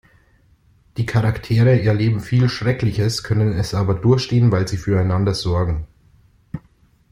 Die Charaktere erleben viel Schreckliches, können es aber durchstehen, weil sie füreinander sorgen.